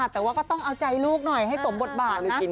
แต่ว่าก็ต้องเอาใจลูกหน่อยให้สมบทบาทนะ